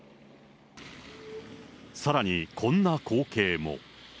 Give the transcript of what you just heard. さらにこんな光景も。